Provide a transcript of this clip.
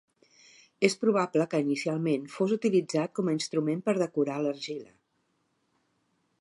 És probable que inicialment fos utilitzat com a instrument per decorar l'argila.